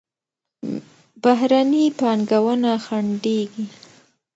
بهرني پانګونه خنډېږي.